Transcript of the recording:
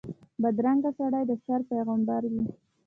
بدرنګه سړی د شر پېغمبر وي